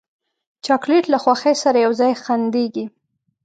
چاکلېټ له خوښۍ سره یو ځای خندېږي.